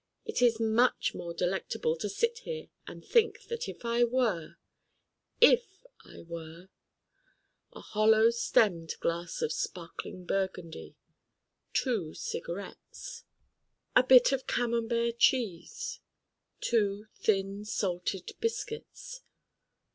It is much more delectable to sit here and think that if I were if I were a Hollow stemmed Glass of Sparkling Burgundy. two cigarettes. a Bit of Camembert Cheese. two Thin Salted Biscuits.